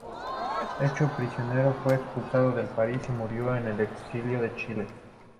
Hecho prisionero, fue expulsado del país y murió en el exilio en Chile.